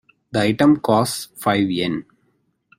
The item costs five Yen.